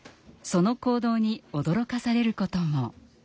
その行動に驚かされることも。